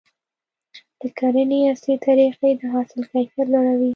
د کرنې عصري طریقې د حاصل کیفیت لوړوي.